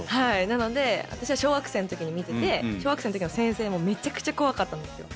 なので私は小学生の時に見てて小学生の時の先生もめちゃくちゃ怖かったんですよ。